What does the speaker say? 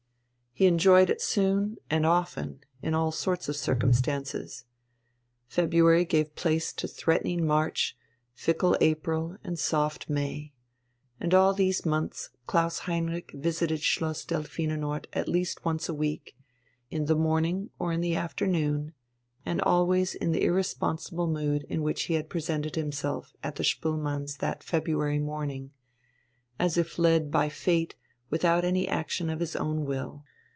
He enjoyed it soon and often, in all sorts of circumstances. February gave place to threatening March, fickle April and soft May. And all these months Klaus Heinrich visited Schloss Delphinenort at least once a week, in the morning or in the afternoon, and always in the irresponsible mood in which he had presented himself at the Spoelmanns' that February morning, as if led by fate without any action of his own will.